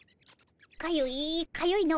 かゆいかゆいの。